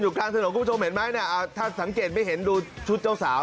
กลางถนนคุณผู้ชมเห็นไหมเนี่ยถ้าสังเกตไม่เห็นดูชุดเจ้าสาว